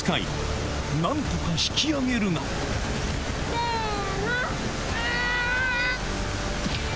せの！